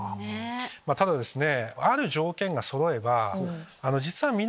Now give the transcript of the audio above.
ただですね。